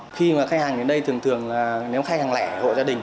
khi mà khách hàng đến đây nếu khách hàng lẻ hội gia đình